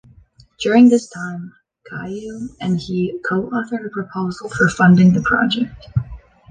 During this time, Cailliau and he co-authored a proposal for funding for the project.